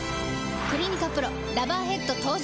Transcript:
「クリニカＰＲＯラバーヘッド」登場！